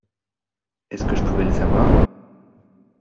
Est-ce que je pouvais le savoir ?